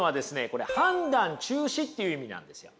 これ判断中止っていう意味なんですよ。